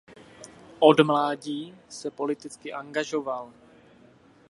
Od mládí se politicky angažoval.